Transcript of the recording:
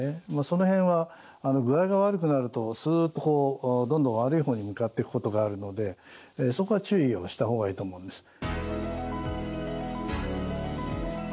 その辺は具合が悪くなるとすっとどんどん悪い方に向かっていくことがあるのでそこは注意をした方がいいと思うんです。